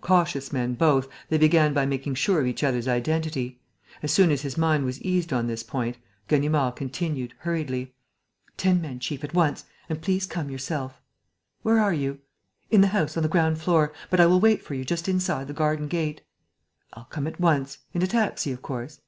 Cautious men both, they began by making sure of each other's identity. As soon as his mind was eased on this point, Ganimard continued, hurriedly: "Ten men, chief, at once. And please come yourself." "Where are you?" "In the house, on the ground floor. But I will wait for you just inside the garden gate." "I'll come at once. In a taxi, of course?"